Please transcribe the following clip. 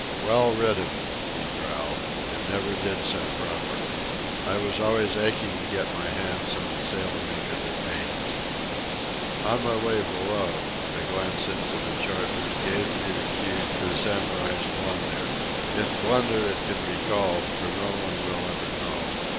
"Well rid of it," he growled. "It never did set properly. I was always aching to get my hands on the sail maker that made it." On my way below a glance into the chart room gave me the cue to the Samurai's blunder—if blunder it can be called, for no one will ever know.